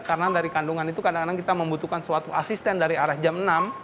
karena dari kandungan itu kadang kadang kita membutuhkan suatu asisten dari arah jam enam